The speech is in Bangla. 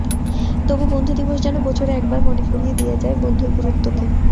তবু বন্ধু দিবস যেন বছরে একবার মনে করিয়ে দিয়ে যায় বন্ধুর গুরুত্বকে।